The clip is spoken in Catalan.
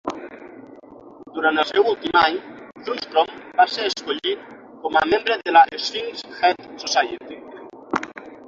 Durant el seu últim any, Sundstrom va ser escollit com a membre de la Sphinx Head Society.